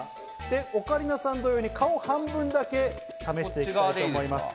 オカリナさん同様に顔半分だけ試していただきたいと思います。